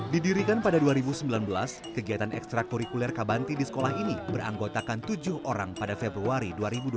didirikan pada dua ribu sembilan belas kegiatan ekstra kurikuler kabanti di sekolah ini beranggotakan tujuh orang pada februari dua ribu dua puluh